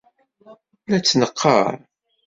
La tt-neqqar.